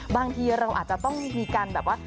บางทีเราอาจจะต้องมีการแบบว่า